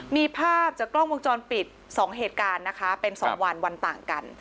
มีภาพจากกล้องวงจรปิด๒เหตุการณ์นะคะเป็น๒วันวันต่างกัน